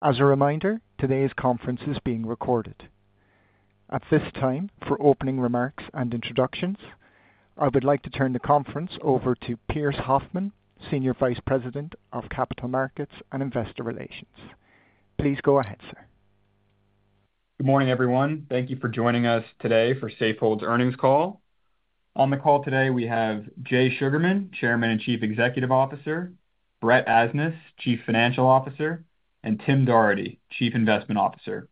As a reminder, today's conference is being recorded. At this time, for opening remarks and introductions, I would like to turn the conference over to Pearse Hoffmann, Senior Vice President of Capital Markets and Investor Relations. Please go ahead, sir. Good morning, everyone. Thank you for joining us today for Safehold's earnings call. On the call today we have Jay Sugarman, Chairman and Chief Executive Officer, Brett Asnas, Chief Financial Officer, and Tim Doherty, Chief Investment Officer.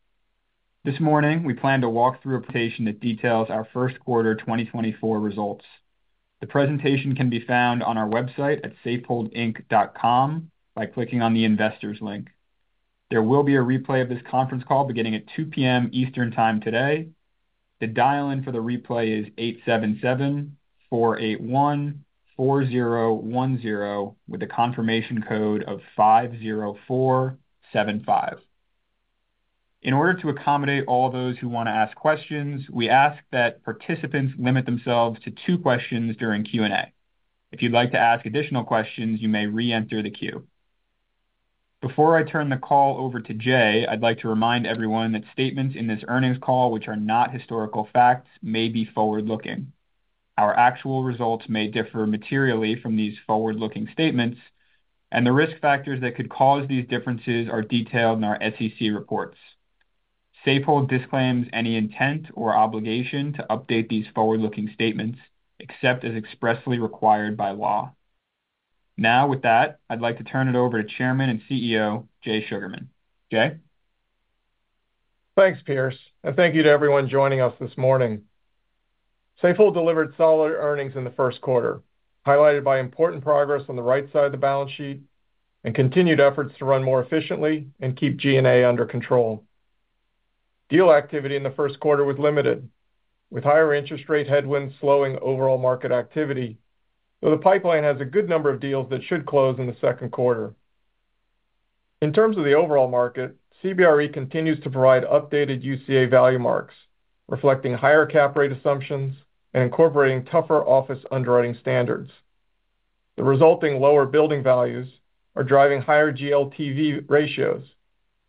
This morning we plan to walk through a presentation that details our first quarter 2024 results. The presentation can be found on our website at safeholdinc.com by clicking on the investors link. There will be a replay of this conference call beginning at 2:00 P.M. Eastern Time today. The dial-in for the replay is 877-481-4010 with the confirmation code of 50475. In order to accommodate all those who want to ask questions, we ask that participants limit themselves to two questions during Q&A. If you'd like to ask additional questions, you may re-enter the queue. Before I turn the call over to Jay, I'd like to remind everyone that statements in this earnings call, which are not historical facts, may be forward-looking. Our actual results may differ materially from these forward-looking statements, and the risk factors that could cause these differences are detailed in our SEC reports. Safehold disclaims any intent or obligation to update these forward-looking statements, except as expressly required by law. Now, with that, I'd like to turn it over to Chairman and CEO Jay Sugarman. Jay? Thanks, Pearse, and thank you to everyone joining us this morning. Safehold delivered solid earnings in the first quarter, highlighted by important progress on the right side of the balance sheet and continued efforts to run more efficiently and keep G&A under control. Deal activity in the first quarter was limited, with higher interest rate headwinds slowing overall market activity, though the pipeline has a good number of deals that should close in the second quarter. In terms of the overall market, CBRE continues to provide updated UCA value marks, reflecting higher cap rate assumptions and incorporating tougher office underwriting standards. The resulting lower building values are driving higher GLTV ratios,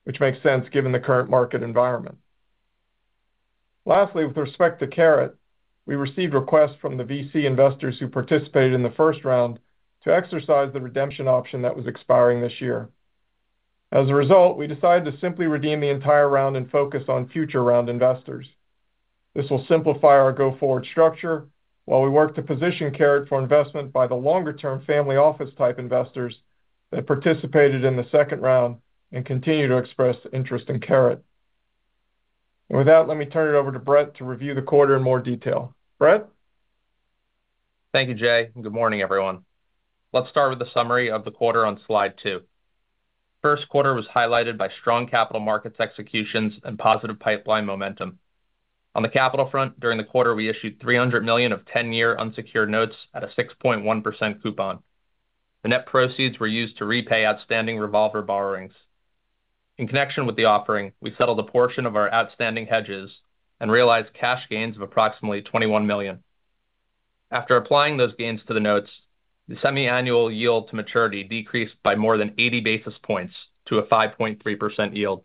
which makes sense given the current market environment. Lastly, with respect to CARET, we received requests from the VC investors who participated in the first round to exercise the redemption option that was expiring this year. As a result, we decided to simply redeem the entire round and focus on future round investors. This will simplify our go-forward structure while we work to position CARET for investment by the longer-term family office type investors that participated in the second round and continue to express interest in CARET. With that, let me turn it over to Brett to review the quarter in more detail. Brett? Thank you, Jay. Good morning, everyone. Let's start with the summary of the quarter on slide 2. First quarter was highlighted by strong capital markets executions and positive pipeline momentum. On the capital front, during the quarter we issued $300 million of 10-year unsecured notes at a 6.1% coupon. The net proceeds were used to repay outstanding revolver borrowings. In connection with the offering, we settled a portion of our outstanding hedges and realized cash gains of approximately $21 million. After applying those gains to the notes, the semiannual yield to maturity decreased by more than 80 basis points to a 5.3% yield.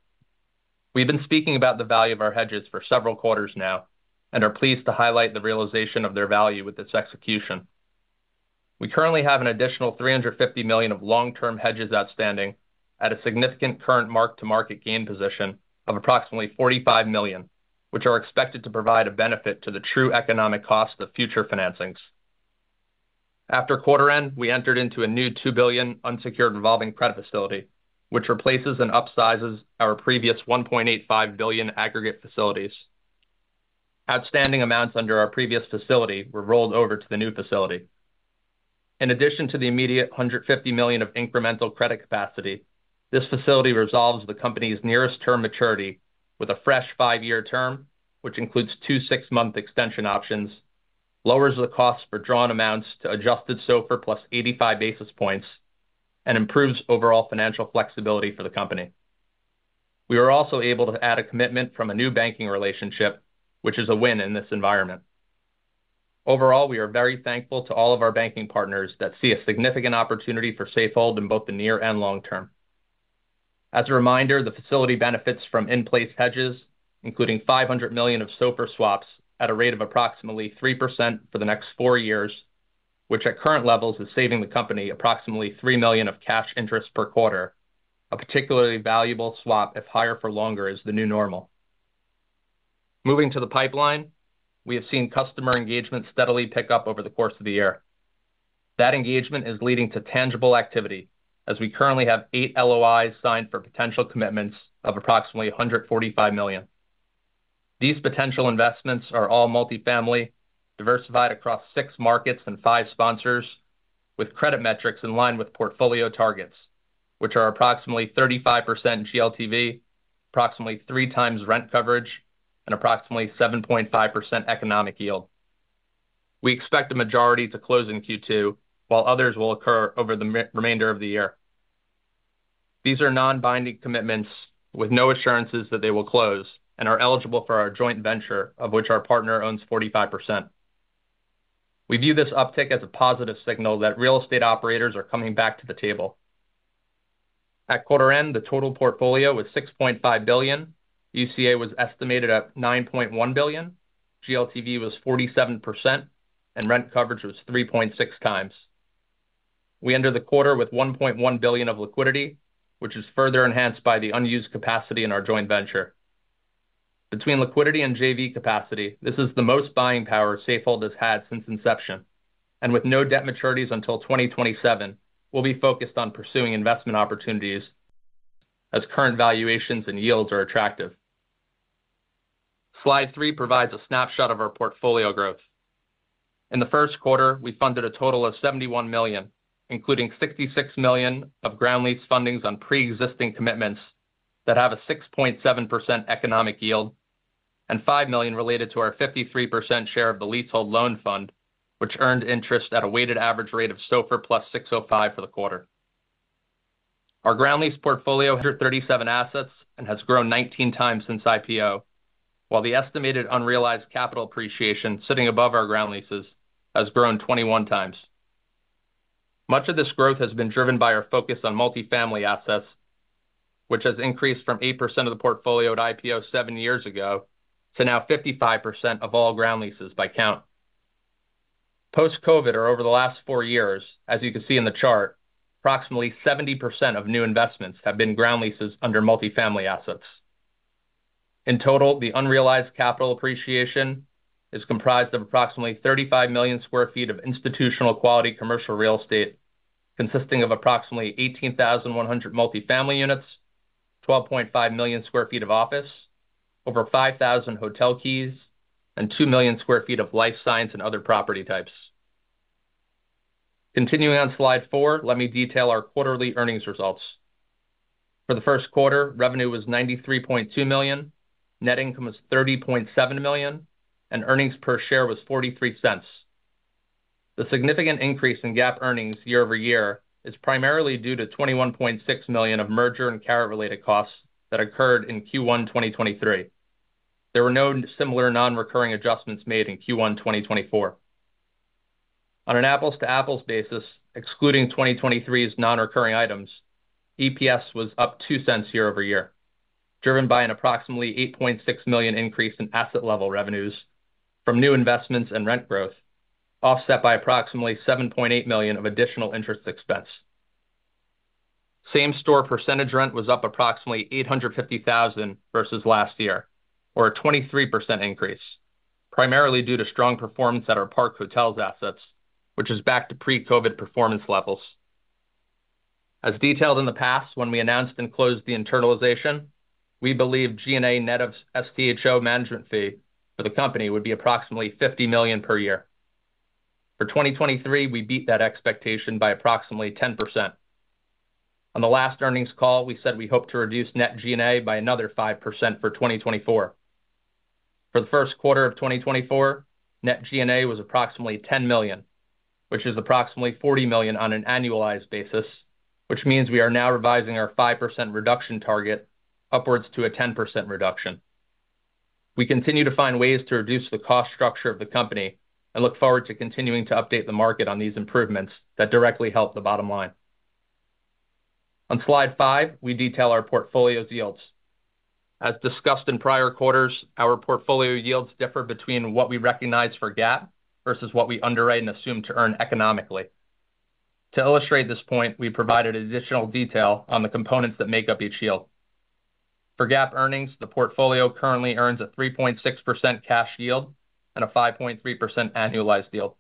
We've been speaking about the value of our hedges for several quarters now and are pleased to highlight the realization of their value with this execution. We currently have an additional $350 million of long-term hedges outstanding at a significant current mark-to-market gain position of approximately $45 million, which are expected to provide a benefit to the true economic cost of future financings. After quarter end, we entered into a new $2 billion unsecured revolving credit facility, which replaces and upsizes our previous $1.85 billion aggregate facilities. Outstanding amounts under our previous facility were rolled over to the new facility. In addition to the immediate $150 million of incremental credit capacity, this facility resolves the company's nearest term maturity with a fresh 5-year term, which includes two 6-month extension options, lowers the costs for drawn amounts to adjusted SOFR plus 85 basis points, and improves overall financial flexibility for the company. We were also able to add a commitment from a new banking relationship, which is a win in this environment. Overall, we are very thankful to all of our banking partners that see a significant opportunity for Safehold in both the near and long term. As a reminder, the facility benefits from in-place hedges, including $500 million of SOFR swaps at a rate of approximately 3% for the next 4 years, which at current levels is saving the company approximately $3 million of cash interest per quarter, a particularly valuable swap if higher for longer is the new normal. Moving to the pipeline, we have seen customer engagement steadily pick up over the course of the year. That engagement is leading to tangible activity as we currently have 8 LOIs signed for potential commitments of approximately $145 million. These potential investments are all multifamily, diversified across 6 markets and 5 sponsors, with credit metrics in line with portfolio targets, which are approximately 35% GLTV, approximately 3x rent coverage, and approximately 7.5% economic yield. We expect a majority to close in Q2, while others will occur over the remainder of the year. These are non-binding commitments with no assurances that they will close and are eligible for our joint venture, of which our partner owns 45%. We view this uptick as a positive signal that real estate operators are coming back to the table. At quarter end, the total portfolio was $6.5 billion, UCA was estimated at $9.1 billion, GLTV was 47%, and rent coverage was 3.6 times. We enter the quarter with $1.1 billion of liquidity, which is further enhanced by the unused capacity in our joint venture. Between liquidity and JV capacity, this is the most buying power Safehold has had since inception, and with no debt maturities until 2027, we'll be focused on pursuing investment opportunities as current valuations and yields are attractive. Slide 3 provides a snapshot of our portfolio growth. In the first quarter, we funded a total of $71 million, including $66 million of ground lease fundings on pre-existing commitments that have a 6.7% economic yield and $5 million related to our 53% share of the leasehold loan fund, which earned interest at a weighted average rate of SOFR +605 for the quarter. Our ground lease portfolio has 137 assets and has grown 19x since IPO, while the estimated unrealized capital appreciation sitting above our ground leases has grown 21x. Much of this growth has been driven by our focus on multifamily assets, which has increased from 8% of the portfolio at IPO seven years ago to now 55% of all ground leases by count. Post-COVID or over the last four years, as you can see in the chart, approximately 70% of new investments have been ground leases under multifamily assets. In total, the unrealized capital appreciation is comprised of approximately 35 million sq ft of institutional quality commercial real estate, consisting of approximately 18,100 multifamily units, 12.5 million sq ft of office, over 5,000 hotel keys, and 2 million sq ft of life science and other property types. Continuing on slide 4, let me detail our quarterly earnings results. For the first quarter, revenue was $93.2 million, net income was $30.7 million, and earnings per share was $0.43. The significant increase in GAAP earnings year-over-year is primarily due to $21.6 million of merger and CARET-related costs that occurred in Q1 2023. There were no similar non-recurring adjustments made in Q1 2024. On an apples-to-apples basis, excluding 2023's non-recurring items, EPS was up $0.02 year-over-year, driven by an approximately $8.6 million increase in asset-level revenues from new investments and rent growth, offset by approximately $7.8 million of additional interest expense. Same-store percentage rent was up approximately $850,000 versus last year, or a 23% increase, primarily due to strong performance at our Park Hotels assets, which is back to pre-COVID performance levels. As detailed in the past when we announced and closed the internalization, we believed G&A net of STHO management fee for the company would be approximately $50 million per year. For 2023, we beat that expectation by approximately 10%. On the last earnings call, we said we hoped to reduce net G&A by another 5% for 2024. For the first quarter of 2024, net G&A was approximately $10 million, which is approximately $40 million on an annualized basis, which means we are now revising our 5% reduction target upwards to a 10% reduction. We continue to find ways to reduce the cost structure of the company and look forward to continuing to update the market on these improvements that directly help the bottom line. On slide 5, we detail our portfolio's yields. As discussed in prior quarters, our portfolio yields differ between what we recognize for GAAP versus what we underwrite and assume to earn economically. To illustrate this point, we provided additional detail on the components that make up each yield. For GAAP earnings, the portfolio currently earns a 3.6% cash yield and a 5.3% annualized yield.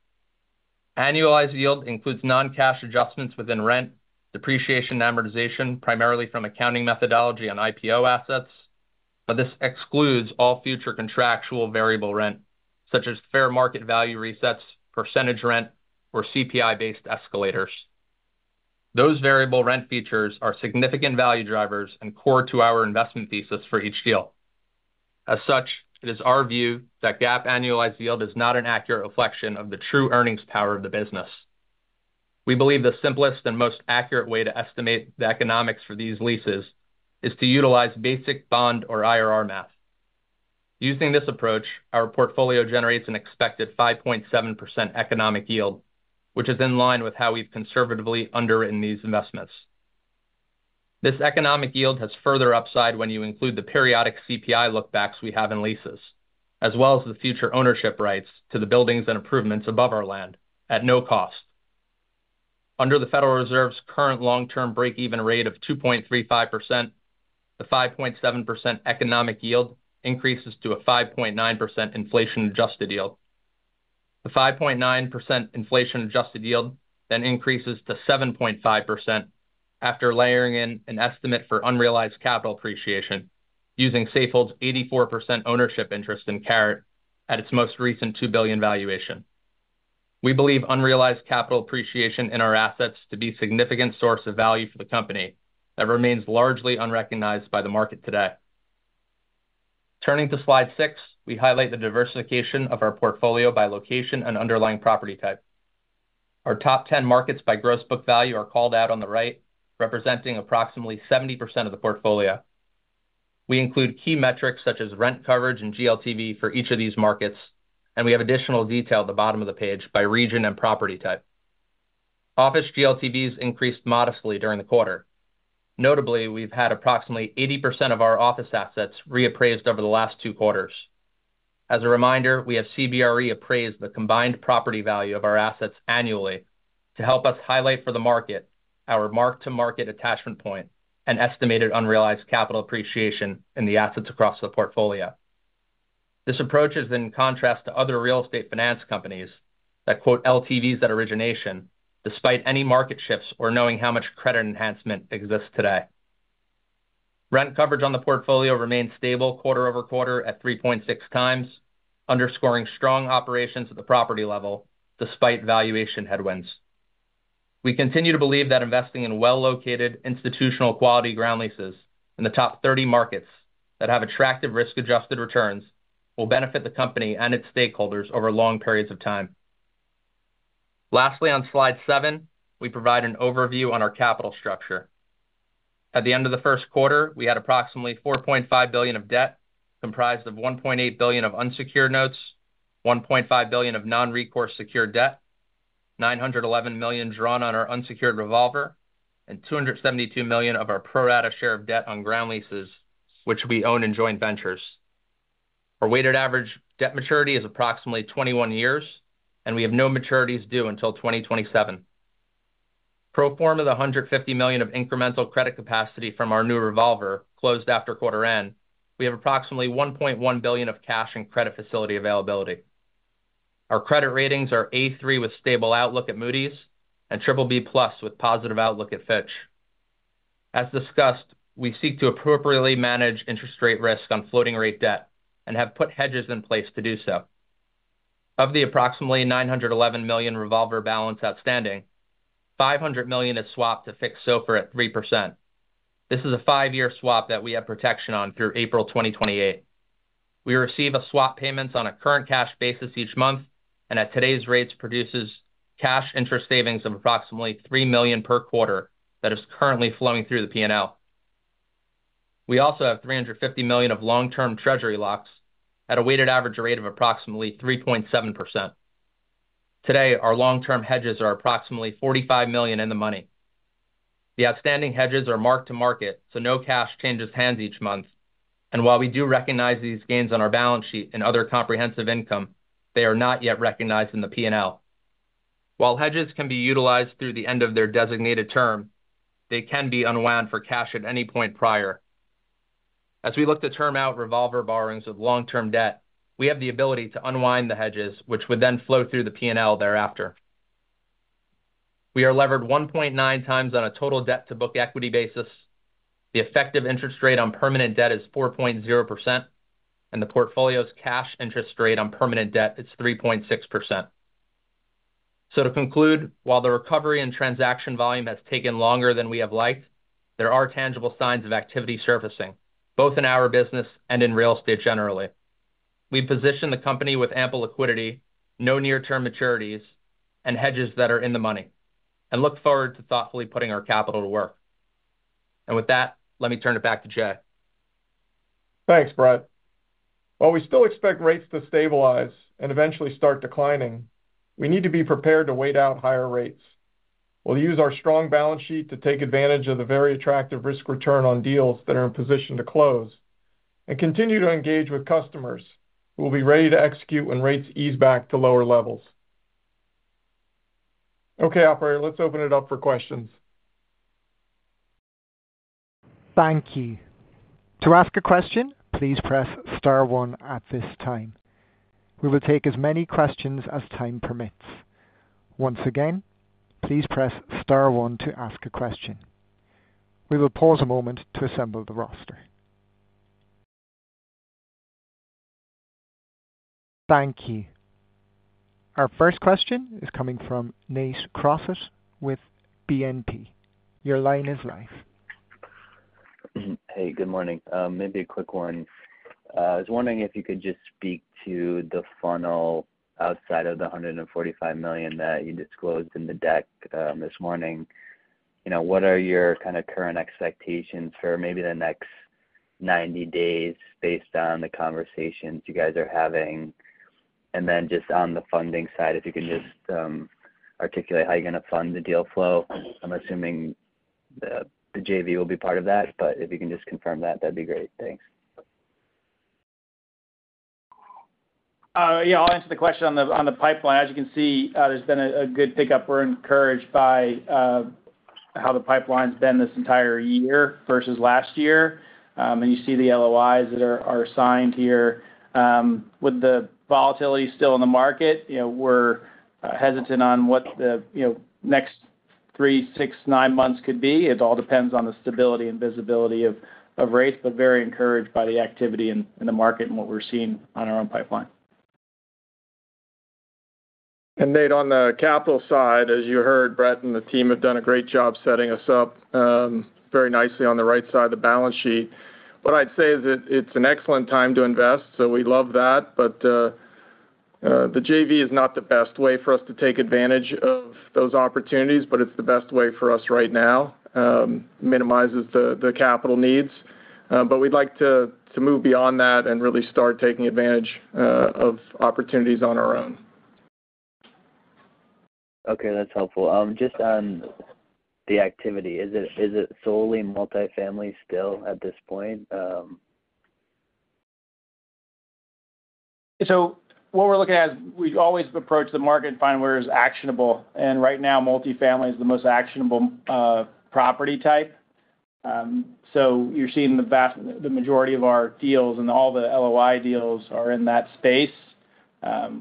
Annualized yield includes non-cash adjustments within rent, depreciation and amortization, primarily from accounting methodology on IPO assets, but this excludes all future contractual variable rent, such as fair market value resets, percentage rent, or CPI-based escalators. Those variable rent features are significant value drivers and core to our investment thesis for each deal. As such, it is our view that GAAP annualized yield is not an accurate reflection of the true earnings power of the business. We believe the simplest and most accurate way to estimate the economics for these leases is to utilize basic bond or IRR math. Using this approach, our portfolio generates an expected 5.7% economic yield, which is in line with how we've conservatively underwritten these investments. This economic yield has further upside when you include the periodic CPI lookbacks we have in leases, as well as the future ownership rights to the buildings and improvements above our land at no cost. Under the Federal Reserve's current long-term breakeven rate of 2.35%, the 5.7% economic yield increases to a 5.9% inflation-adjusted yield. The 5.9% inflation-adjusted yield then increases to 7.5% after layering in an estimate for unrealized capital appreciation using Safehold's 84% ownership interest in CARET at its most recent $2 billion valuation. We believe unrealized capital appreciation in our assets to be a significant source of value for the company that remains largely unrecognized by the market today. Turning to slide 6, we highlight the diversification of our portfolio by location and underlying property type. Our top 10 markets by gross book value are called out on the right, representing approximately 70% of the portfolio. We include key metrics such as rent coverage and GLTV for each of these markets, and we have additional detail at the bottom of the page by region and property type. Office GLTVs increased modestly during the quarter. Notably, we've had approximately 80% of our office assets reappraised over the last two quarters. As a reminder, we have CBRE appraised the combined property value of our assets annually to help us highlight for the market our mark-to-market attachment point and estimated unrealized capital appreciation in the assets across the portfolio. This approach is in contrast to other real estate finance companies that quote LTVs at origination despite any market shifts or knowing how much credit enhancement exists today. Rent coverage on the portfolio remained stable quarter-over-quarter at 3.6x, underscoring strong operations at the property level despite valuation headwinds. We continue to believe that investing in well-located institutional quality ground leases in the top 30 markets that have attractive risk-adjusted returns will benefit the company and its stakeholders over long periods of time. Lastly, on slide 7, we provide an overview on our capital structure. At the end of the first quarter, we had approximately $4.5 billion of debt comprised of $1.8 billion of unsecured notes, $1.5 billion of non-recourse secured debt, $911 million drawn on our unsecured revolver, and $272 million of our pro-rata share of debt on ground leases, which we own in joint ventures. Our weighted average debt maturity is approximately 21 years, and we have no maturities due until 2027. Pro forma the $150 million of incremental credit capacity from our new revolver closed after quarter end, we have approximately $1.1 billion of cash and credit facility availability. Our credit ratings are A3 with stable outlook at Moody's and BBB plus with positive outlook at Fitch. As discussed, we seek to appropriately manage interest rate risk on floating rate debt and have put hedges in place to do so. Of the approximately $911 million revolver balance outstanding, $500 million is swapped to fix SOFR at 3%. This is a 5-year swap that we have protection on through April 2028. We receive swap payments on a current cash basis each month, and at today's rates, produces cash interest savings of approximately $3 million per quarter that is currently flowing through the P&L. We also have $350 million of long-term treasury locks at a weighted average rate of approximately 3.7%. Today, our long-term hedges are approximately $45 million in the money. The outstanding hedges are marked to market, so no cash changes hands each month. While we do recognize these gains on our balance sheet in other comprehensive income, they are not yet recognized in the P&L. While hedges can be utilized through the end of their designated term, they can be unwound for cash at any point prior. As we look to term out revolver borrowings with long-term debt, we have the ability to unwind the hedges, which would then flow through the P&L thereafter. We are levered 1.9x on a total debt-to-book equity basis. The effective interest rate on permanent debt is 4.0%, and the portfolio's cash interest rate on permanent debt is 3.6%. To conclude, while the recovery and transaction volume has taken longer than we have liked, there are tangible signs of activity surfacing, both in our business and in real estate generally. We position the company with ample liquidity, no near-term maturities, and hedges that are in the money, and look forward to thoughtfully putting our capital to work. And with that, let me turn it back to Jay. Thanks, Brett. While we still expect rates to stabilize and eventually start declining, we need to be prepared to wait out higher rates. We'll use our strong balance sheet to take advantage of the very attractive risk return on deals that are in position to close and continue to engage with customers who will be ready to execute when rates ease back to lower levels. Okay, operator, let's open it up for questions. Thank you. To ask a question, please press star 1 at this time. We will take as many questions as time permits. Once again, please press star 1 to ask a question. We will pause a moment to assemble the roster. Thank you. Our first question is coming from Nate Crossett with BNP. Your line is live. Hey, good morning. Maybe a quick one. I was wondering if you could just speak to the funnel outside of the $145 million that you disclosed in the deck this morning. What are your kind of current expectations for maybe the next 90 days based on the conversations you guys are having? And then just on the funding side, if you can just articulate how you're going to fund the deal flow. I'm assuming the JV will be part of that, but if you can just confirm that, that'd be great. Thanks. Yeah, I'll answer the question on the pipeline. As you can see, there's been a good pickup. We're encouraged by how the pipeline's been this entire year versus last year. And you see the LOIs that are signed here. With the volatility still in the market, we're hesitant on what the next three, six, nine months could be. It all depends on the stability and visibility of rates, but very encouraged by the activity in the market and what we're seeing on our own pipeline. Nate, on the capital side, as you heard, Brett and the team have done a great job setting us up very nicely on the right side of the balance sheet. What I'd say is it's an excellent time to invest, so we love that. But the JV is not the best way for us to take advantage of those opportunities, but it's the best way for us right now. Minimizes the capital needs. But we'd like to move beyond that and really start taking advantage of opportunities on our own. Okay, that's helpful. Just on the activity, is it solely multifamily still at this point? What we're looking at is we always approach the market and find where it's actionable. Right now, multifamily is the most actionable property type. You're seeing the majority of our deals and all the LOI deals are in that space.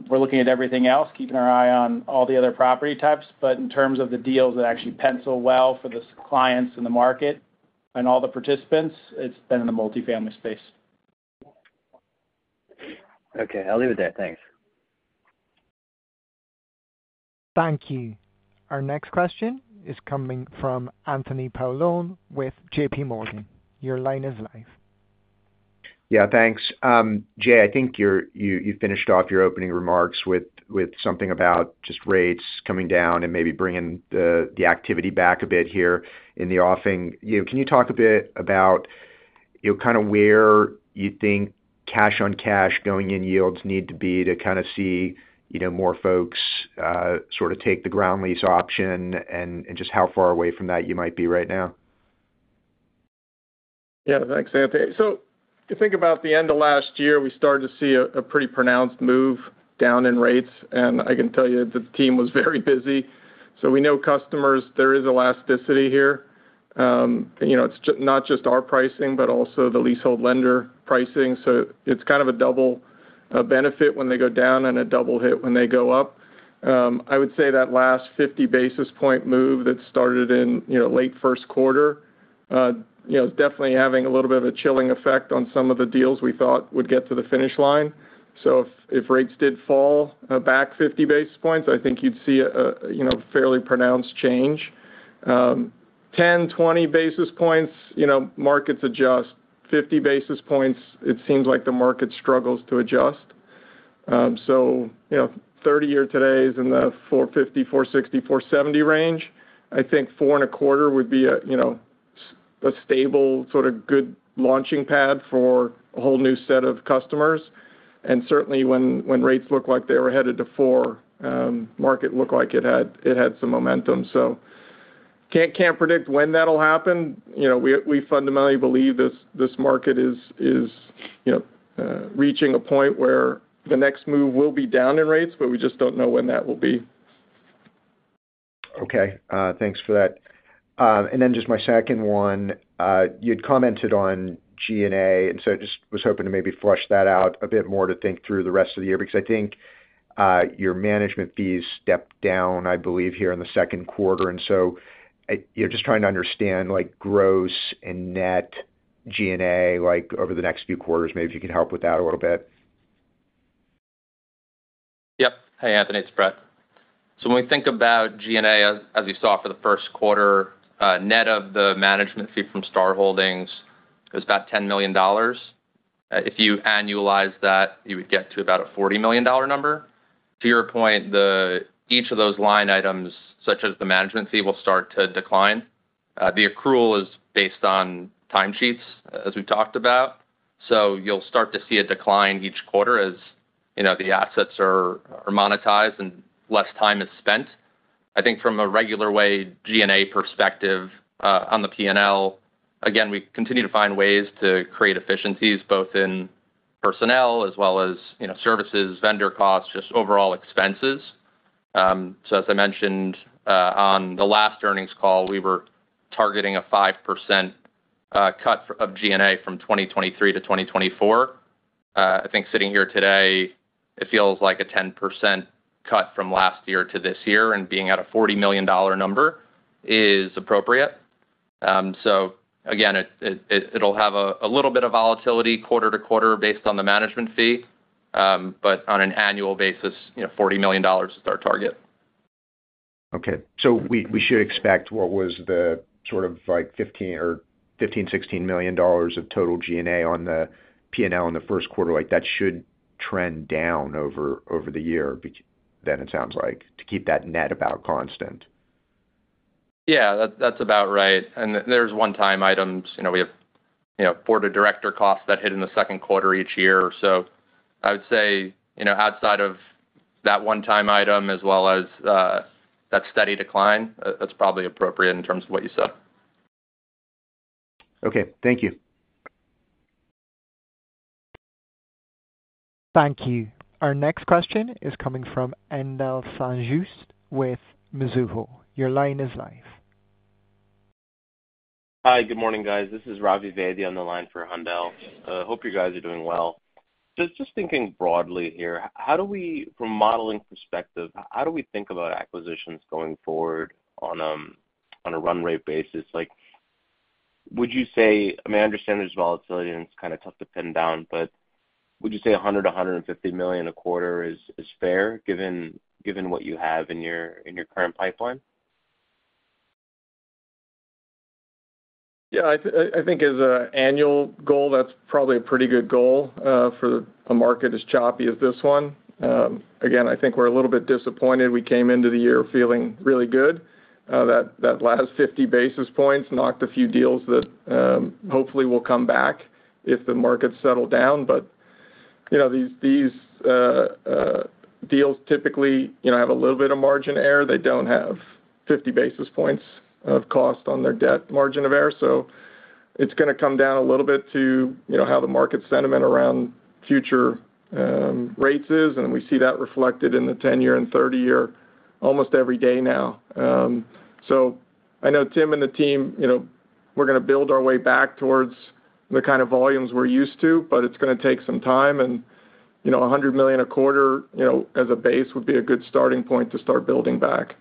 We're looking at everything else, keeping our eye on all the other property types. But in terms of the deals that actually pencil well for the clients in the market and all the participants, it's been in the multifamily space. Okay, I'll leave it there. Thanks. Thank you. Our next question is coming from Anthony Paolone with JPMorgan. Your line is live. Yeah, thanks. Jay, I think you finished off your opening remarks with something about just rates coming down and maybe bringing the activity back a bit here in the offing. Can you talk a bit about kind of where you think cash-on-cash going-in yields need to be to kind of see more folks sort of take the ground lease option and just how far away from that you might be right now? Yeah, thanks, Anthony. So if you think about the end of last year, we started to see a pretty pronounced move down in rates. I can tell you the team was very busy. So we know customers, there is elasticity here. It's not just our pricing, but also the leasehold lender pricing. So it's kind of a double benefit when they go down and a double hit when they go up. I would say that last 50 basis point move that started in late first quarter is definitely having a little bit of a chilling effect on some of the deals we thought would get to the finish line. So if rates did fall back 50 basis points, I think you'd see a fairly pronounced change. 10, 20 basis points, markets adjust. 50 basis points, it seems like the market struggles to adjust. So 30-year today is in the 450-470 range. I think 4.25 would be a stable sort of good launching pad for a whole new set of customers. And certainly when rates look like they were headed to 4, market looked like it had some momentum. So can't predict when that'll happen. We fundamentally believe this market is reaching a point where the next move will be down in rates, but we just don't know when that will be. Okay, thanks for that. Then just my second one. You'd commented on G&A, and so just was hoping to maybe flush that out a bit more to think through the rest of the year because I think your management fees stepped down, I believe, here in the second quarter. So just trying to understand gross and net G&A over the next few quarters, maybe if you could help with that a little bit. Yep. Hey, Anthony. It's Brett. So when we think about G&A, as you saw for the first quarter, net of the management fee from Star Holdings is about $10 million. If you annualize that, you would get to about a $40 million number. To your point, each of those line items, such as the management fee, will start to decline. The accrual is based on timesheets, as we've talked about. So you'll start to see a decline each quarter as the assets are monetized and less time is spent. I think from a regular way G&A perspective on the P&L, again, we continue to find ways to create efficiencies both in personnel as well as services, vendor costs, just overall expenses. So as I mentioned on the last earnings call, we were targeting a 5% cut of G&A from 2023 to 2024. I think sitting here today, it feels like a 10% cut from last year to this year and being at a $40 million number is appropriate. Again, it'll have a little bit of volatility quarter to quarter based on the management fee. On an annual basis, $40 million is our target. Okay. So we should expect what was the sort of $15 million or $16 million of total G&A on the P&L in the first quarter, that should trend down over the year then, it sounds like, to keep that net about constant. Yeah, that's about right. There's one-time items. We have Board of Director costs that hit in the second quarter each year. So I would say outside of that one-time item as well as that steady decline, that's probably appropriate in terms of what you said. Okay. Thank you. Thank you. Our next question is coming from Haendel St. Juste with Mizuho. Your line is live. Hi, good morning, guys. This is Ravi Vaidya on the line for Haendel. Hope you guys are doing well. Just thinking broadly here, from a modeling perspective, how do we think about acquisitions going forward on a run-rate basis? Would you say—I mean, I understand there's volatility and it's kind of tough to pin down, but would you say $100 million-$150 million a quarter is fair given what you have in your current pipeline? Yeah, I think as an annual goal, that's probably a pretty good goal for a market as choppy as this one. Again, I think we're a little bit disappointed. We came into the year feeling really good. That last 50 basis points knocked a few deals that hopefully will come back if the market's settled down. But these deals typically have a little bit of margin error. They don't have 50 basis points of cost on their debt margin of error. So it's going to come down a little bit to how the market sentiment around future rates is. And we see that reflected in the 10-year and 30-year almost every day now. So I know Tim and the team, we're going to build our way back towards the kind of volumes we're used to, but it's going to take some time. And $100 million a quarter as a base would be a good starting point to start building back.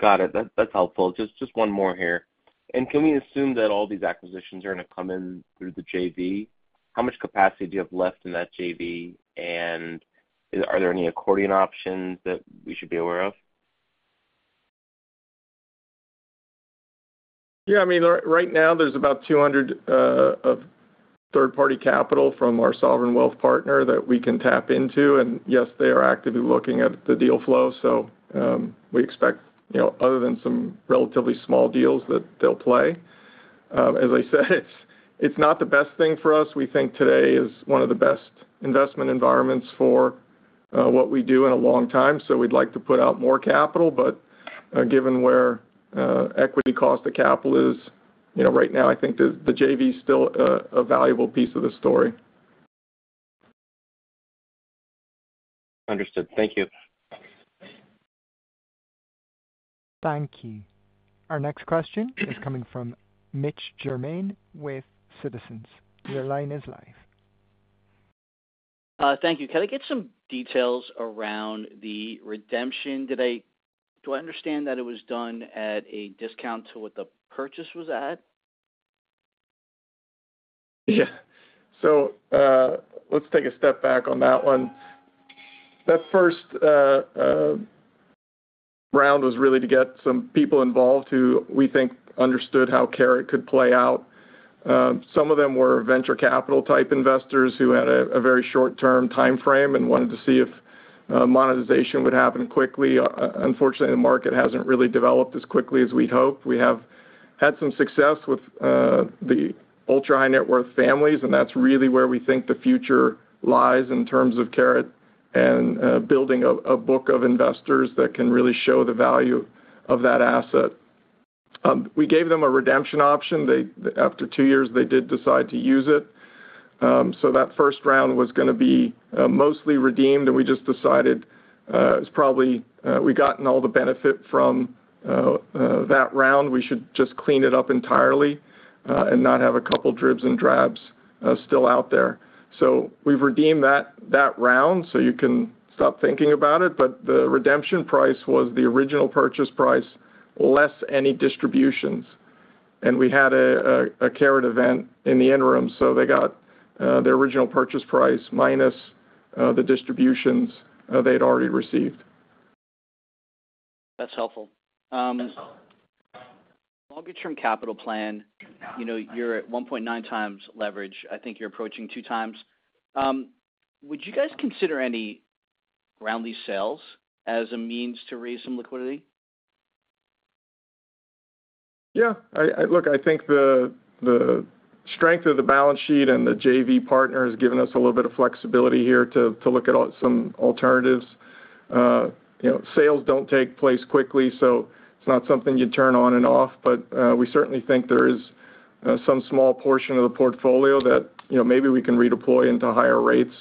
Got it. That's helpful. Just one more here. Can we assume that all these acquisitions are going to come in through the JV? How much capacity do you have left in that JV? And are there any accordion options that we should be aware of? Yeah, I mean, right now, there's about $200 million of third-party capital from our sovereign wealth partner that we can tap into. Yes, they are actively looking at the deal flow. So we expect, other than some relatively small deals, that they'll play. As I said, it's not the best thing for us. We think today is one of the best investment environments for what we do in a long time. So we'd like to put out more capital. But given where equity cost of capital is right now, I think the JV is still a valuable piece of the story. Understood. Thank you. Thank you. Our next question is coming from Mitch Germain with Citizens. Your line is live. Thank you. Can I get some details around the redemption? Do I understand that it was done at a discount to what the purchase was at? Yeah. So let's take a step back on that one. That first round was really to get some people involved who we think understood how CARET could play out. Some of them were venture capital type investors who had a very short-term timeframe and wanted to see if monetization would happen quickly. Unfortunately, the market hasn't really developed as quickly as we'd hoped. We have had some success with the ultra-high net worth families, and that's really where we think the future lies in terms of CARET and building a book of investors that can really show the value of that asset. We gave them a redemption option. After two years, they did decide to use it. So that first round was going to be mostly redeemed, and we just decided it's probably we gotten all the benefit from that round. We should just clean it up entirely and not have a couple dribs and drabs still out there. So we've redeemed that round so you can stop thinking about it. But the redemption price was the original purchase price less any distributions. And we had a CARET event in the interim, so they got their original purchase price minus the distributions they'd already received. That's helpful. Long-term capital plan, you're at 1.9x leverage. I think you're approaching 2x. Would you guys consider any ground lease sales as a means to raise some liquidity? Yeah. Look, I think the strength of the balance sheet and the JV partner has given us a little bit of flexibility here to look at some alternatives. Sales don't take place quickly, so it's not something you turn on and off. But we certainly think there is some small portion of the portfolio that maybe we can redeploy into higher rates.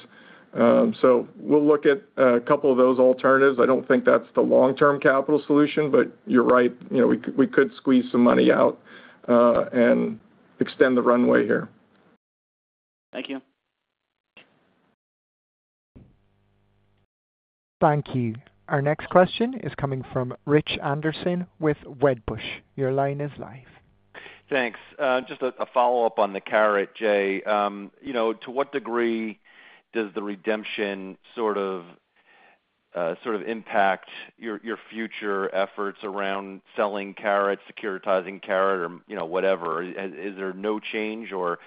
So we'll look at a couple of those alternatives. I don't think that's the long-term capital solution, but you're right. We could squeeze some money out and extend the runway here. Thank you. Thank you. Our next question is coming from Rich Anderson with Wedbush. Your line is live. Thanks. Just a follow-up on the CARET, Jay. To what degree does the redemption sort of impact your future efforts around selling CARET, securitizing CARET, or whatever? Is there no change, or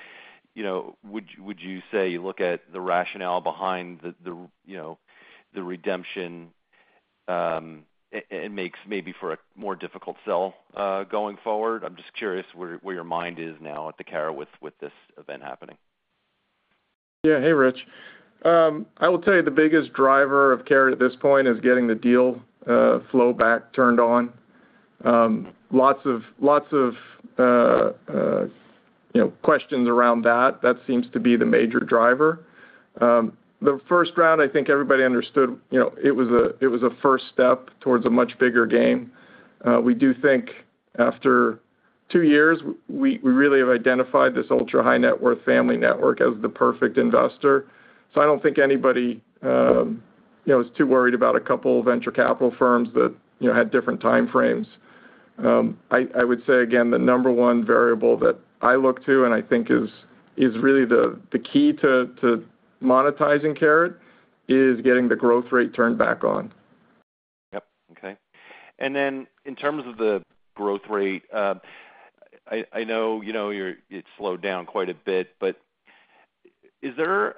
would you say you look at the rationale behind the redemption and makes maybe for a more difficult sell going forward? I'm just curious where your mind is now at the CARET with this event happening. Yeah. Hey, Rich. I will tell you, the biggest driver of CARET at this point is getting the deal flow back turned on. Lots of questions around that. That seems to be the major driver. The first round, I think everybody understood it was a first step towards a much bigger game. We do think after two years, we really have identified this ultra-high net worth family network as the perfect investor. So I don't think anybody is too worried about a couple venture capital firms that had different timeframes. I would say, again, the number one variable that I look to and I think is really the key to monetizing CARET is getting the growth rate turned back on. Yep. Okay. And then in terms of the growth rate, I know it slowed down quite a bit, but is there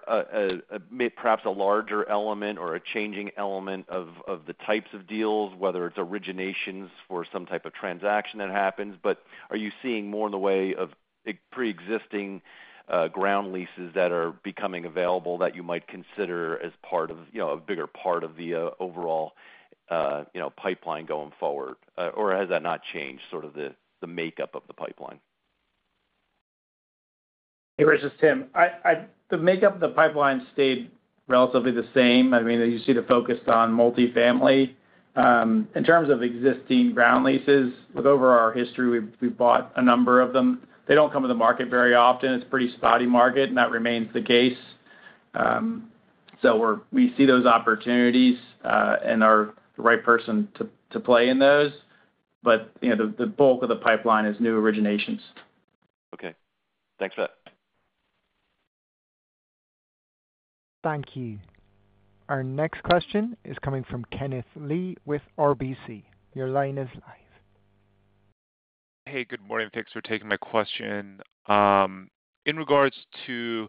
perhaps a larger element or a changing element of the types of deals, whether it's originations for some type of transaction that happens? But are you seeing more in the way of pre-existing ground leases that are becoming available that you might consider as part of a bigger part of the overall pipeline going forward? Or has that not changed sort of the makeup of the pipeline? Hey, Rich. It's Tim. The makeup of the pipeline stayed relatively the same. I mean, you see the focus on multifamily. In terms of existing ground leases, with over our history, we've bought a number of them. They don't come to the market very often. It's a pretty spotty market, and that remains the case. So we see those opportunities and are the right person to play in those. But the bulk of the pipeline is new originations. Okay. Thanks, Brett. Thank you. Our next question is coming from Kenneth Lee with RBC. Your line is live. Hey, good morning. Thanks for taking my question. In regards to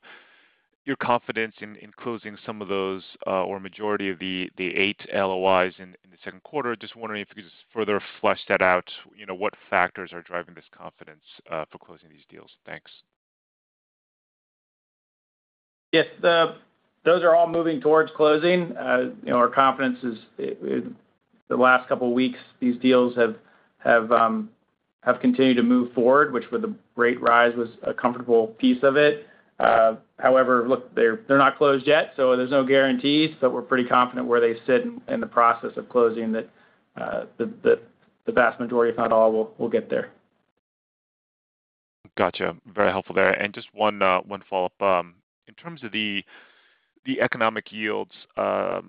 your confidence in closing some of those or majority of the 8 LOIs in the second quarter, just wondering if you could just further flesh that out. What factors are driving this confidence for closing these deals? Thanks. Yes. Those are all moving towards closing. Our confidence is the last couple of weeks, these deals have continued to move forward, which with the rate rise was a comfortable piece of it. However, look, they're not closed yet, so there's no guarantees. But we're pretty confident where they sit in the process of closing that the vast majority, if not all, will get there. Gotcha. Very helpful there. And just one follow-up. In terms of the economic yields, it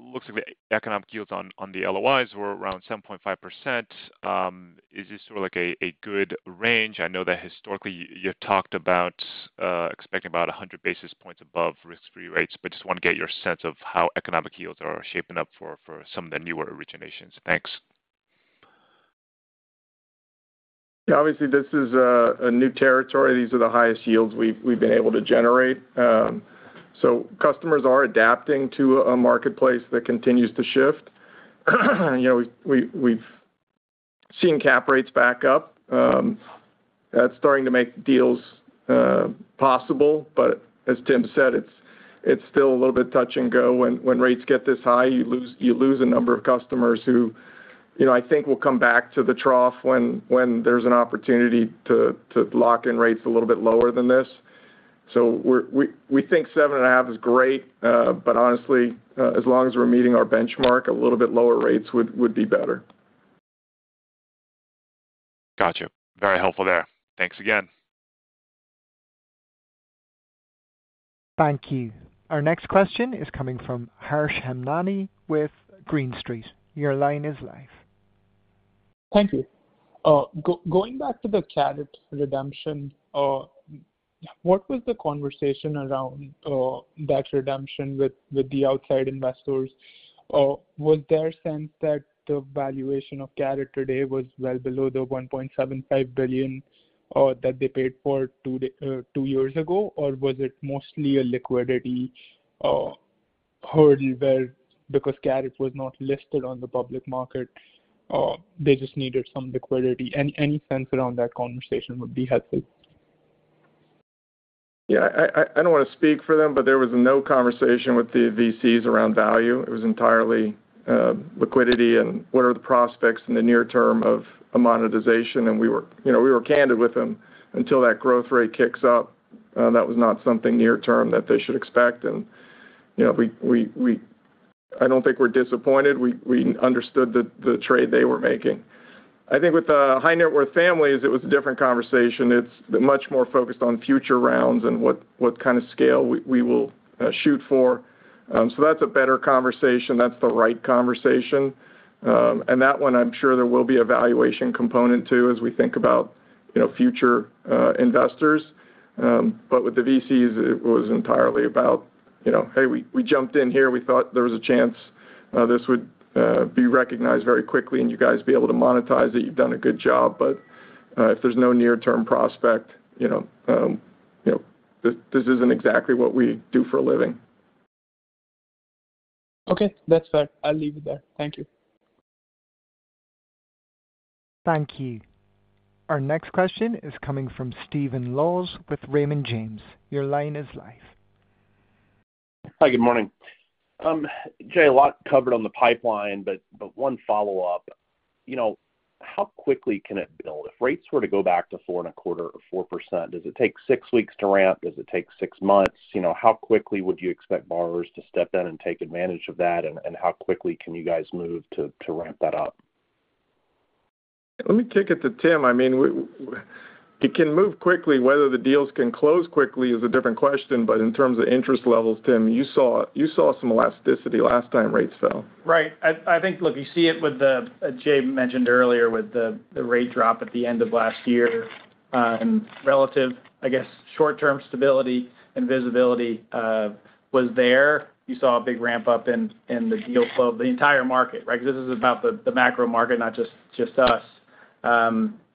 looks like the economic yields on the LOIs were around 7.5%. Is this sort of a good range? I know that historically, you've talked about expecting about 100 basis points above risk-free rates, but just want to get your sense of how economic yields are shaping up for some of the newer originations. Thanks. Yeah. Obviously, this is a new territory. These are the highest yields we've been able to generate. So customers are adapting to a marketplace that continues to shift. We've seen cap rates back up. That's starting to make deals possible. But as Tim said, it's still a little bit touch and go. When rates get this high, you lose a number of customers who I think will come back to the trough when there's an opportunity to lock in rates a little bit lower than this. So we think 7.5% is great. But honestly, as long as we're meeting our benchmark, a little bit lower rates would be better. Gotcha. Very helpful there. Thanks again. Thank you. Our next question is coming from Harsh Hemnani with Green Street. Your line is live. Thank you. Going back to the CARET redemption, what was the conversation around that redemption with the outside investors? Was their sense that the valuation of CARET today was well below the $1.75 billion that they paid for two years ago? Or was it mostly a liquidity hurdle because CARET was not listed on the public market? They just needed some liquidity. Any sense around that conversation would be helpful. Yeah. I don't want to speak for them, but there was no conversation with the VCs around value. It was entirely liquidity and what are the prospects in the near term of monetization. And we were candid with them until that growth rate kicks up. That was not something near-term that they should expect. And I don't think we're disappointed. We understood the trade they were making. I think with high net worth families, it was a different conversation. It's much more focused on future rounds and what kind of scale we will shoot for. So that's a better conversation. That's the right conversation. And that one, I'm sure there will be a valuation component too as we think about future investors. But with the VCs, it was entirely about, "Hey, we jumped in here. We thought there was a chance this would be recognized very quickly and you guys be able to monetize it. You've done a good job. But if there's no near-term prospect, this isn't exactly what we do for a living. Okay. That's fair. I'll leave it there. Thank you. Thank you. Our next question is coming from Stephen Laws with Raymond James. Your line is live. Hi. Good morning. Jay, a lot covered on the pipeline, but one follow-up. How quickly can it build? If rates were to go back to 4.25 or 4%, does it take six weeks to ramp? Does it take six months? How quickly would you expect borrowers to step in and take advantage of that? How quickly can you guys move to ramp that up? Let me take it to Tim. I mean, it can move quickly. Whether the deals can close quickly is a different question. But in terms of interest levels, Tim, you saw some elasticity last time rates fell. Right. I think, look, you see it with what Jay mentioned earlier with the rate drop at the end of last year. Relative, I guess, short-term stability and visibility was there. You saw a big ramp-up in the deal flow of the entire market, right? Because this is about the macro market, not just us.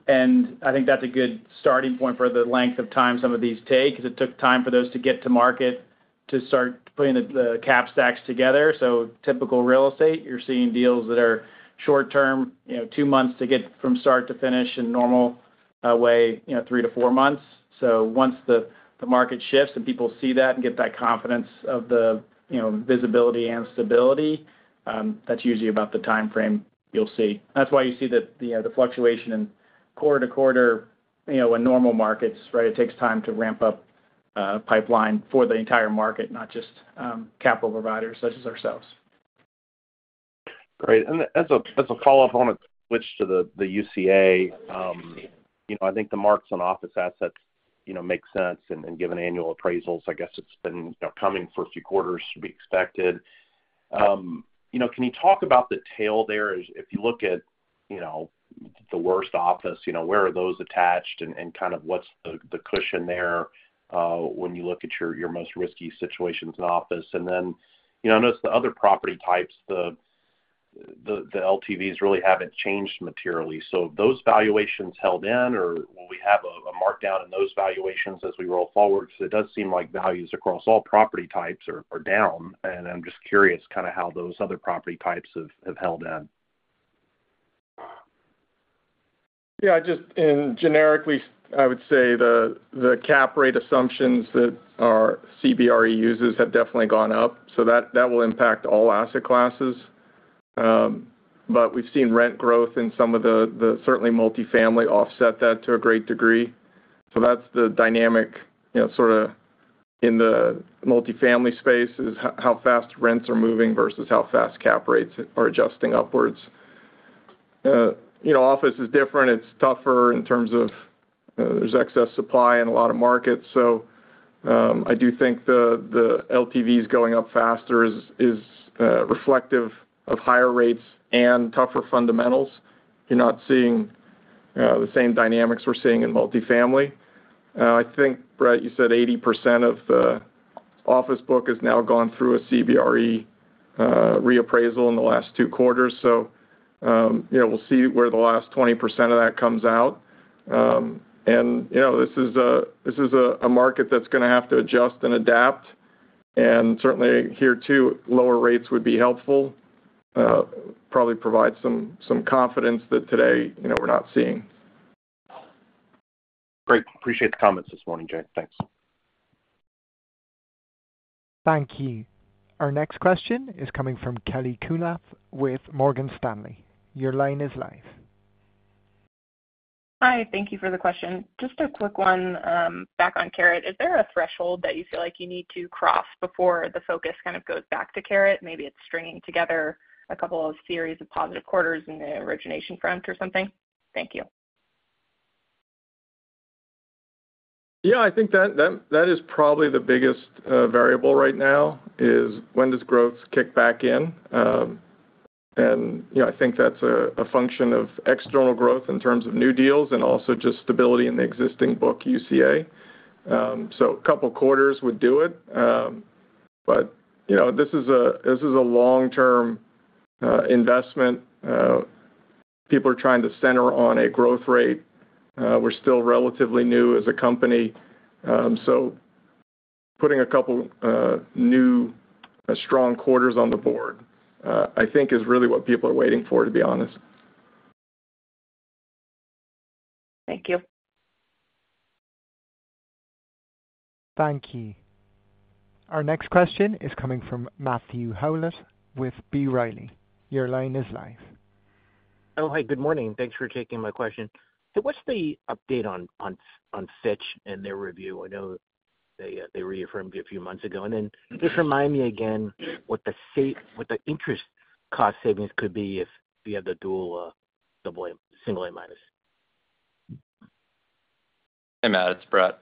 And I think that's a good starting point for the length of time some of these take because it took time for those to get to market to start putting the cap stacks together. So typical real estate, you're seeing deals that are short-term, 2 months to get from start to finish, and normal way, 3-4 months. So once the market shifts and people see that and get that confidence of the visibility and stability, that's usually about the timeframe you'll see. That's why you see the fluctuation in quarter to quarter in normal markets, right? It takes time to ramp up a pipeline for the entire market, not just capital providers such as ourselves. Great. As a follow-up on it, switch to the UCA. I think the marks on office assets make sense. And given annual appraisals, I guess it's been coming for a few quarters, to be expected. Can you talk about the tail there? If you look at the worst office, where are those attached? And kind of what's the cushion there when you look at your most risky situations in office? And then I noticed the other property types, the LTVs really haven't changed materially. So those valuations held in, or will we have a markdown in those valuations as we roll forward? Because it does seem like values across all property types are down. And I'm just curious kind of how those other property types have held in. Yeah. Generically, I would say the cap rate assumptions that our CBRE uses have definitely gone up. So that will impact all asset classes. But we've seen rent growth in some of the certainly multifamily offset that to a great degree. So that's the dynamic sort of in the multifamily space is how fast rents are moving versus how fast cap rates are adjusting upwards. Office is different. It's tougher in terms of there's excess supply in a lot of markets. So I do think the LTVs going up faster is reflective of higher rates and tougher fundamentals. You're not seeing the same dynamics we're seeing in multifamily. I think, Brett, you said 80% of the office book has now gone through a CBRE reappraisal in the last two quarters. So we'll see where the last 20% of that comes out. This is a market that's going to have to adjust and adapt. Certainly here too, lower rates would be helpful, probably provide some confidence that today we're not seeing. Great. Appreciate the comments this morning, Jay. Thanks. Thank you. Our next question is coming from Kelly Kunath with Morgan Stanley. Your line is live. Hi. Thank you for the question. Just a quick one back on CARET. Is there a threshold that you feel like you need to cross before the focus kind of goes back to CARET? Maybe it's stringing together a couple of series of positive quarters in the origination front or something. Thank you. Yeah. I think that is probably the biggest variable right now is when does growth kick back in? And I think that's a function of external growth in terms of new deals and also just stability in the existing book, UCA. So a couple of quarters would do it. But this is a long-term investment. People are trying to center on a growth rate. We're still relatively new as a company. So putting a couple of new strong quarters on the board, I think, is really what people are waiting for, to be honest. Thank you. Thank you. Our next question is coming from Matthew Howlett with B. Riley. Your line is live. Oh, hi. Good morning. Thanks for taking my question. Hey, what's the update on Fitch and their review? I know they reaffirmed it a few months ago. And then just remind me again what the interest cost savings could be if you have the dual single A minus. Hey, Matt. It's Brett.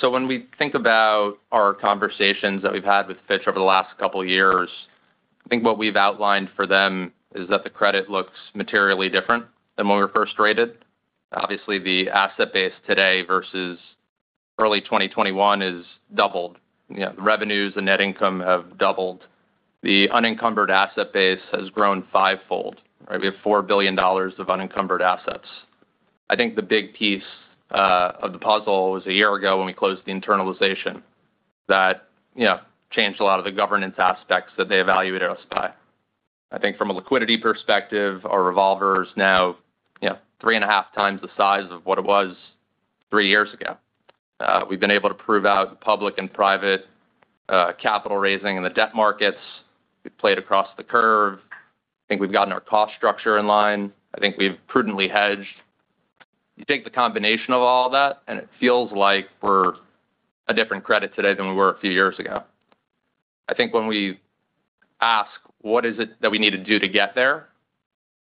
So when we think about our conversations that we've had with Fitch over the last couple of years, I think what we've outlined for them is that the credit looks materially different than when we were first rated. Obviously, the asset base today versus early 2021 is doubled. The revenues and net income have doubled. The unencumbered asset base has grown fivefold, right? We have $4 billion of unencumbered assets. I think the big piece of the puzzle was a year ago when we closed the internalization that changed a lot of the governance aspects that they evaluated us by. I think from a liquidity perspective, our revolver is now 3.5x the size of what it was three years ago. We've been able to prove out public and private capital raising in the debt markets. We've played across the curve. I think we've gotten our cost structure in line. I think we've prudently hedged. You take the combination of all that, and it feels like we're a different credit today than we were a few years ago. I think when we ask, "What is it that we need to do to get there?"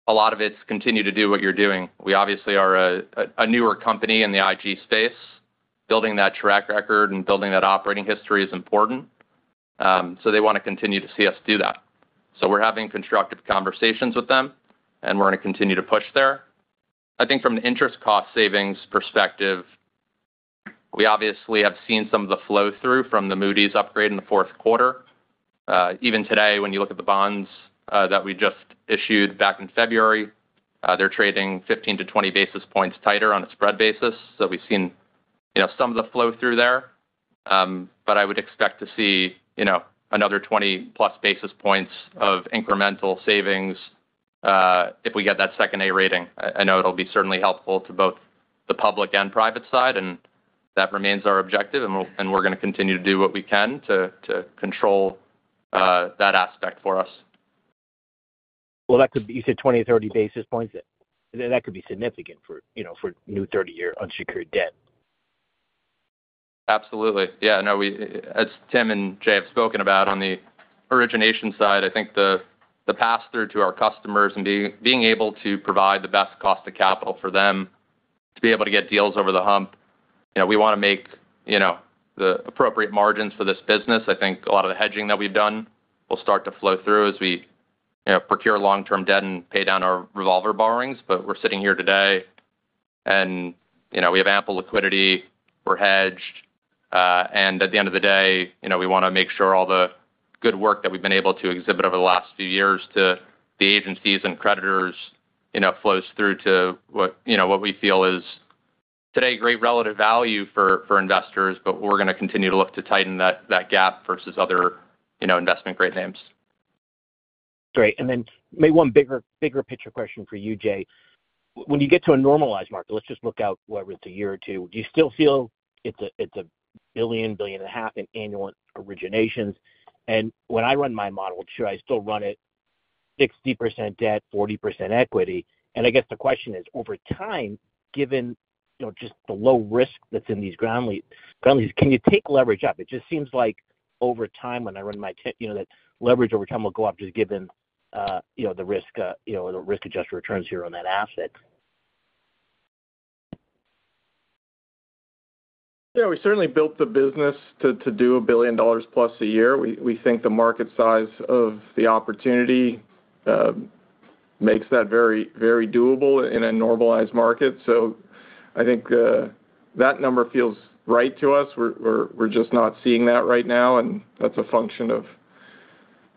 a lot of it's continue to do what you're doing. We obviously are a newer company in the IG space. Building that track record and building that operating history is important. So they want to continue to see us do that. So we're having constructive conversations with them, and we're going to continue to push there. I think from an interest cost savings perspective, we obviously have seen some of the flow-through from the Moody's upgrade in the fourth quarter. Even today, when you look at the bonds that we just issued back in February, they're trading 15-20 basis points tighter on a spread basis. So we've seen some of the flow-through there. But I would expect to see another 20+ basis points of incremental savings if we get that second A rating. I know it'll be certainly helpful to both the public and private side. And that remains our objective. And we're going to continue to do what we can to control that aspect for us. Well, you said 20, 30 basis points. That could be significant for new 30-year unsecured debt. Absolutely. Yeah. I know as Tim and Jay have spoken about, on the origination side, I think the pass-through to our customers and being able to provide the best cost of capital for them to be able to get deals over the hump, we want to make the appropriate margins for this business. I think a lot of the hedging that we've done will start to flow through as we procure long-term debt and pay down our revolver borrowings. But we're sitting here today, and we have ample liquidity. We're hedged. At the end of the day, we want to make sure all the good work that we've been able to exhibit over the last few years to the agencies and creditors flows through to what we feel is today, great relative value for investors, but we're going to continue to look to tighten that gap versus other investment grade names. Great. And then maybe one bigger picture question for you, Jay. When you get to a normalized market, let's just look out whether it's a year or two. Do you still feel it's $1 billion-$1.5 billion in annual originations? And when I run my model, should I still run it 60% debt, 40% equity? And I guess the question is, over time, given just the low risk that's in these ground leases, can you take leverage up? It just seems like over time, when I run my that leverage over time will go up just given the risk-adjusted returns here on that asset. Yeah. We certainly built the business to do $1 billion-plus a year. We think the market size of the opportunity makes that very doable in a normalized market. So I think that number feels right to us. We're just not seeing that right now. And that's a function of,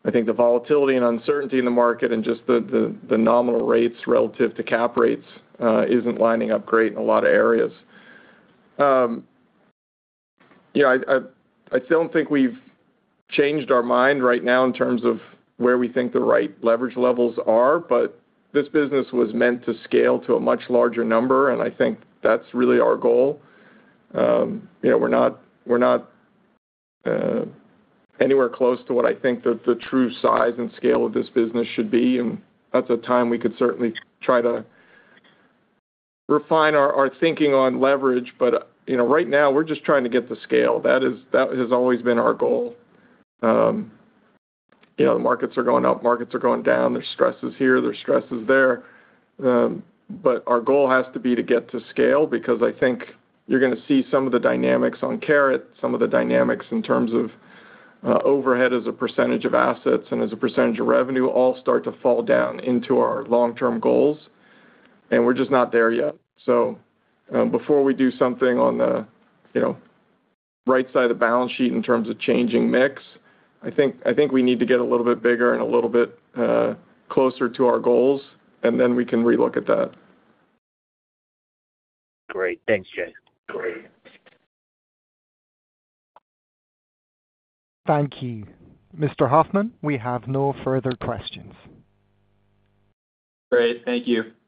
I think, the volatility and uncertainty in the market and just the nominal rates relative to cap rates isn't lining up great in a lot of areas. I don't think we've changed our mind right now in terms of where we think the right leverage levels are. But this business was meant to scale to a much larger number, and I think that's really our goal. We're not anywhere close to what I think the true size and scale of this business should be. And that's a time we could certainly try to refine our thinking on leverage. But right now, we're just trying to get the scale. That has always been our goal. The markets are going up. Markets are going down. There's stresses here. There's stresses there. But our goal has to be to get to scale because I think you're going to see some of the dynamics on CARET, some of the dynamics in terms of overhead as a percentage of assets and as a percentage of revenue all start to fall down into our long-term goals. And we're just not there yet. So before we do something on the right side of the balance sheet in terms of changing mix, I think we need to get a little bit bigger and a little bit closer to our goals, and then we can relook at that. Great. Thanks, Jay. Great. Thank you. Mr. Hoffmann, we have no further questions. Great. Thank you.